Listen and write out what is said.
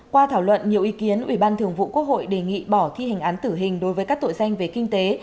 qua thảo luận nhiều ý kiến ủy ban thường vụ quốc hội đề nghị bỏ thi hành án tử hình đối với các tội danh về kinh tế